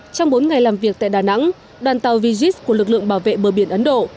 trong bốn ngày làm việc tại đà nẵng đoàn tàu vigis của lực lượng bảo vệ bờ biển ấn độ